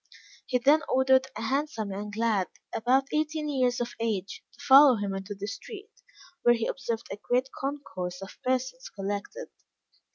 He then ordered a handsome young lad, about eighteen years of age, to follow him into the street, where he observed a great concourse of persons collected.